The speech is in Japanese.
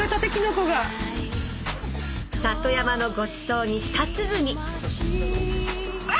里山のごちそうに舌鼓あ！